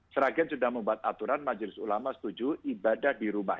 sragen sudah membuat aturan majelis ulama setuju ibadah di rumah